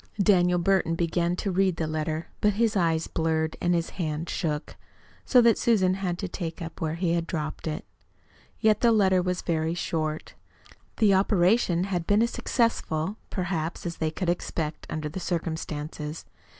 Daniel Burton began to read the letter, but his eyes blurred and his hand shook, so that Susan had to take it up where he had dropped it. Yet the letter was very short. The operation had been as successful, perhaps, as they could expect, under the circumstances.